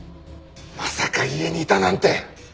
まさか家にいたなんて！